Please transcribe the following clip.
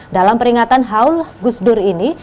dalam peringatan haul gusdur ini